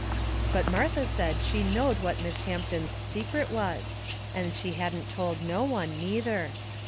But Martha said she knowed what Miss Hampton's secret was, and she hadn't told no one, neither.